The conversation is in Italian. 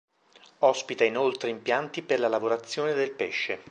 Ospita inoltre impianti per la lavorazione del pesce.